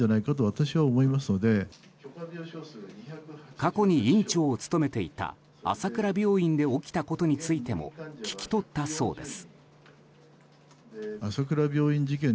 過去に院長を務めていた朝倉病院で起きたことについても聞き取ったそうです。